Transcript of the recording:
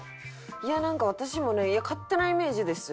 いやなんか私もね勝手なイメージですよ。